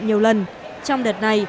nhiều lần trong đợt này